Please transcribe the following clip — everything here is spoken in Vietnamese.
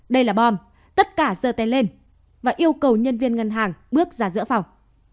đây là bom tất cả dơ tay lên và yêu cầu nhân viên ngân hàng bước ra giữa phòng